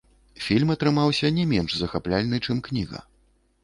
Фільм атрымаўся не менш захапляльны, чым кніга.